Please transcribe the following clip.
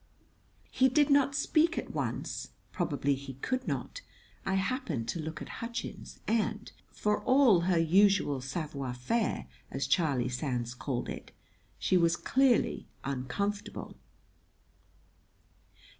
He did not speak at once. Probably he could not. I happened to look at Hutchins, and, for all her usual savoir faire, as Charlie Sands called it, she was clearly uncomfortable.